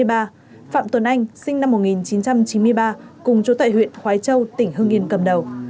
phạm tuấn anh sinh năm một nghìn chín trăm chín mươi ba cùng chú tại huyện khói châu tỉnh hương yên cầm đầu